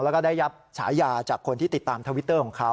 แล้วก็ได้รับฉายาจากคนที่ติดตามทวิตเตอร์ของเขา